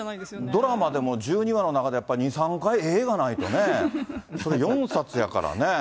ドラマでも１２話の中で、やっぱり２、３回、えーがないとね、それ、４冊やからね。